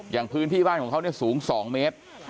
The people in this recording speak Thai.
อย่างพื้นที่บ้านของเขาสูง๒เมตร